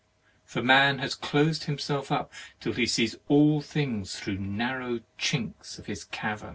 For man has closed himself up, till he sees all things through narrow chinks of his cavern.